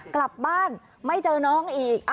กลับบ้านไม่เจอน้องอีก